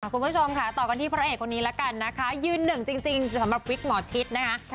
คุณผู้ชมค่ะต่อกันที่พระเอกคนนี้ละกันนะคะยืนหนึ่งจริงสำหรับวิกหมอชิดนะคะ